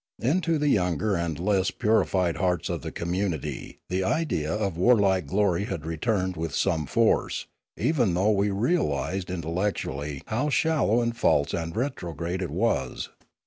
Into the younger and less puri fied hearts of the community the idea of warlike glory had returned with some force, even though we realised intellectually how shallow and false and retrograde it was.